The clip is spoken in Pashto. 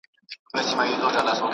مېوه او ترکاري د بدن انرژي زیاتوي.